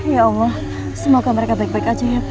ya allah semoga mereka baik baik aja ya pak